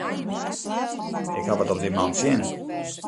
Ik haw wat op dy man tsjin.